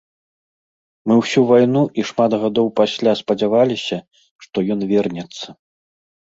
Мы ўсю вайну і шмат гадоў пасля спадзяваліся, што ён вернецца.